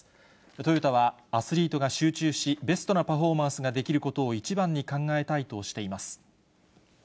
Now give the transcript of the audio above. トヨタは、アスリートが集中し、ベストなパフォーマンスができることを一番に考えたいとしています。